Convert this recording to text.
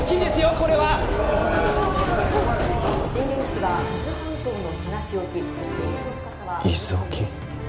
これは震源地は伊豆半島の東沖震源の深さは伊豆沖？